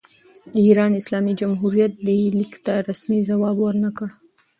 د ایران اسلامي جمهوریت دې لیک ته رسمي ځواب ور نه کړ.